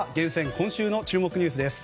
今週の注目ニュースです。